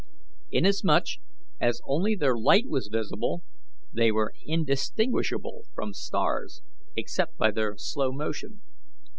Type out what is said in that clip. Inasmuch as only their light was visible, they were indistinguishable from stars, except by their slow motion.